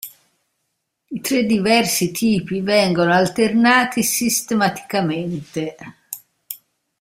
I tre diversi tipi vengono alternati sistematicamente.